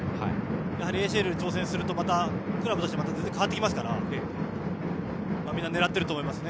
やはりＡＣＬに挑戦するとクラブとして全然変わってきますからみんな狙っていると思いますね